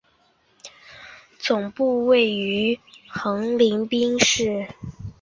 总部位于横滨市金泽区与相邻的车辆基地内。